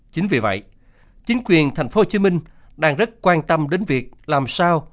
chính vì vậy chính quyền tp hcm đang rất quan tâm đến việc làm sao